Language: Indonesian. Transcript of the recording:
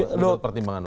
menurut pertimbangan anda